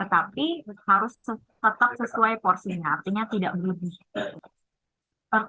tapi harus tetap sesuai porsinya artinya tidak berlebih